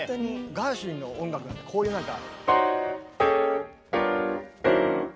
ガーシュウィンの音楽なんてこういうなんか。